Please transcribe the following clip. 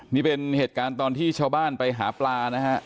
นี่เป็นเหตุการณ์ตอนที่ชาวบ้านไปหาปลานะฮะ